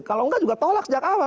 kalau enggak juga tolak sejak awal